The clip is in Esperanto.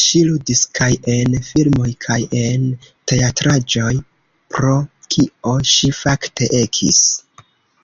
Ŝi ludis kaj en filmoj kaj en teatraĵoj, pro kio ŝi fakte ekis.